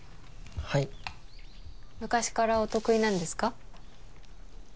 はい昔からお得意なんですか？